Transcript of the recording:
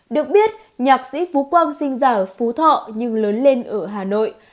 được biết nhạc sĩ phú quang sinh ra ở phú thọ nhưng lớn lên ở hà nội